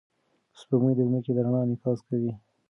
سپوږمۍ د ځمکې د رڼا انعکاس کوي.